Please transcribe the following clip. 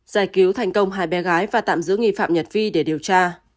giải cứu thành công hai bé gái và tạm giữ nghi phạm nhật vi để điều tra